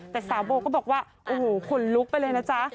แต่สาวโบก็บอกว่าโอ้โหขนลุกไปเลยนะจ๊ะ